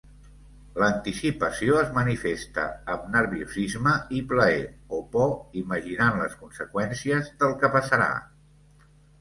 L'anticipació es manifesta amb nerviosisme i plaer o por imaginant les conseqüències del que passarà.